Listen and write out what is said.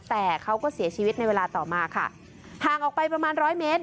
แต่เขาก็เสียชีวิตในเวลาต่อมาค่ะห่างออกไปประมาณร้อยเมตร